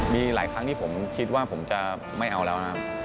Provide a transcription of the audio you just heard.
มีหลายครั้งที่ผมคิดว่าผมจะไม่เอาแล้วนะครับ